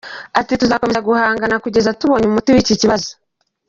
Ati “Tuzakomeza guhangana kugeza tubonye umuti w’iki kibazo.